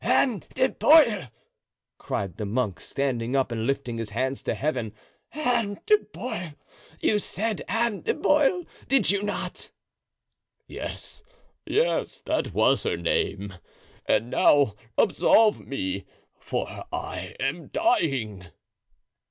"Anne de Bueil!" cried the monk, standing up and lifting his hands to Heaven. "Anne de Bueil! You said Anne de Bueil, did you not?" "Yes, yes, that was her name; and now absolve me, for I am dying."